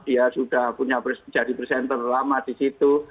dia sudah punya jadi presenter lama di situ